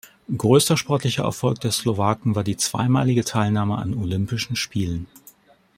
Größter sportlicher Erfolg des Slowaken war die zweimalige Teilnahme an Olympischen Spielen.